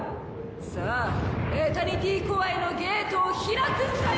さあエタニティコアへのゲートを開くんだよ！